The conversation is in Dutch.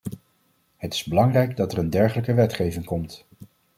Het is belangrijk dat er een dergelijke wetgeving komt.